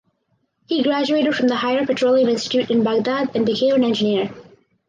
He graduated from the Higher Petroleum Institute in Baghdad and became an engineer.